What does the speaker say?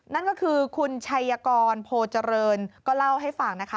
นั่นก็คือคุณชัยกรโพเจริญก็เล่าให้ฟังนะคะ